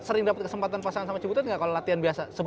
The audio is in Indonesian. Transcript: sering dapet kesempatan pasangan sama cibutet gak kalo latihan biasa